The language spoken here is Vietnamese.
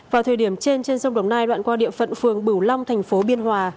vào thời điểm trên trên sông đồng nai đoạn qua địa phận phường bửu long thành phố biên hòa